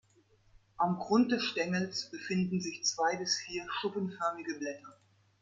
Am Grund des Stängels befinden sich zwei bis vier schuppenförmige Blätter.